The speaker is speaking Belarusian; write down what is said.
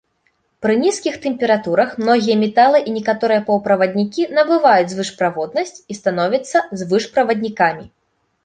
Пры нізкіх тэмпературах многія металы і некаторыя паўправаднікі набываюць звышправоднасць і становяцца звышправаднікамі.